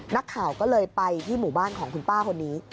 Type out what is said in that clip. นักข่าวก็เลยไปที่หมู่บ้านของคุณป้าคนนี้